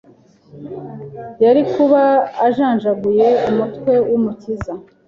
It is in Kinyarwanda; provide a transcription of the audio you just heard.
yari kuba ajanjaguye umutwe w’Umukiza